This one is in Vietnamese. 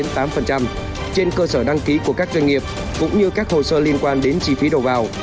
trên cơ sở đăng ký của các doanh nghiệp cũng như các hồ sơ liên quan đến chi phí đầu vào